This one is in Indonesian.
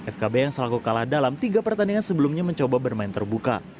fkb yang selaku kalah dalam tiga pertandingan sebelumnya mencoba bermain terbuka